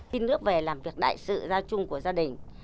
xin nước về làm việc đại sự gia chung của gia đình